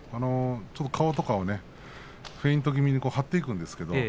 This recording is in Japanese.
顔とかはフェイント気味に張っていくんですけれども。